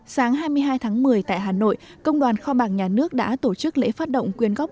sáng hai mươi hai tháng một mươi tại hà nội công đoàn kho bạc nhà nước đã tổ chức lễ phát động quyên góp